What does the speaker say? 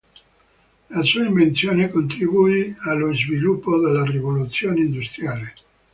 La sua invenzione contribuì allo sviluppo della Rivoluzione industriale.